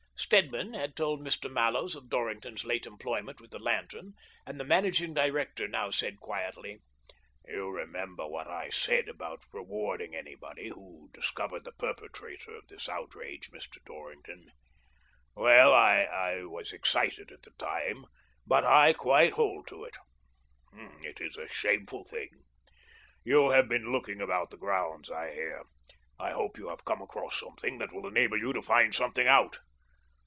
Stedman had told Mr. Mallows of Dorring ton's late employment with the lantern, and the managing director now said quietly, " You remem ber what I said about rewarding anybody who %' 174 THE DOEBINGTON DEED BOX discovered the perpetrator of this outrage, Mr. Dorrington? "Well, I was excited at the time, but I quite hold to it. It is a shameful thing. You have been looking about the grounds, I hear. I hope you have come across something that will enable you to find something out.